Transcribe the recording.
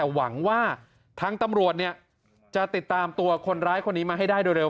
หวังว่าทางตำรวจจะติดตามตัวคนร้ายคนนี้มาให้ได้โดยเร็